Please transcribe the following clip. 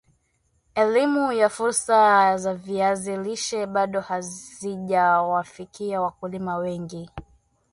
Elimu ya fursa za viazi lishe bado hazija wafikia wakulima wengi